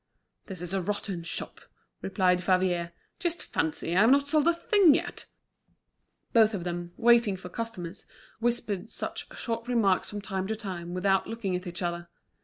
"This is a rotten shop!" replied Favier. "Just fancy, I've not sold a thing yet." Both of them, waiting for customers, whispered such short remarks from time to time without looking at each other.